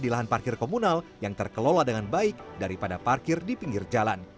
di lahan parkir komunal yang terkelola dengan baik daripada parkir di pinggir jalan